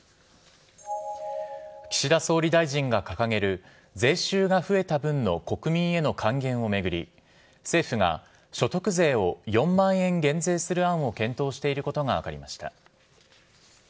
岸田総理大臣が掲げる、税収が増えた分の国民への還元を巡り、政府が所得税を４万円減税する案を検討していることが分かりました。